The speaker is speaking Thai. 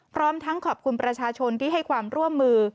พร้อมทั้งขอบคุณประชาชนที่ให้ความร่วมมือ